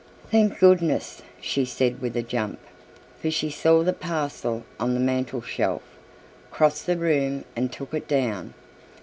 "Thank goodness!" she said with a jump, for she saw the parcel on the mantel shelf, crossed the room and took it down.